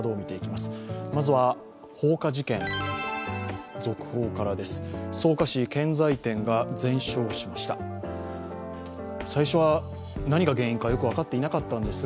まずは放火事件、続報からです。